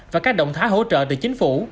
và các động thái hỗ trợ từ chính phủ